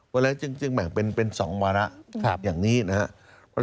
เวลาจึงแบ่งเป็น๒วาระอย่างนี้นะครับ